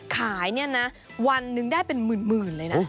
ขายเนี่ยนะวันหนึ่งได้เป็นหมื่นเลยนะ